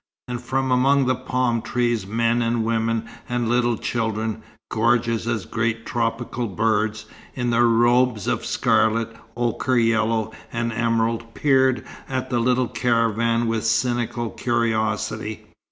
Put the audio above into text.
And from among the palm trees men and women and little children, gorgeous as great tropical birds, in their robes of scarlet, ochre yellow, and emerald, peered at the little caravan with cynical curiosity.